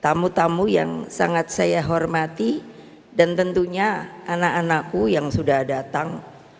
tamu tamu yang sangat saya hormati dan tentunya anak anakku yang sudah datang